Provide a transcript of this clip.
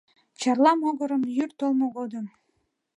Чарла могырым йӱр толмо годым